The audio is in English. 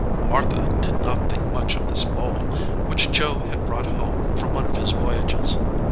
Mar tha did not thir.k much of this bowl, which Joe had brought home from one of his voyages.